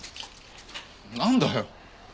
なんだよ？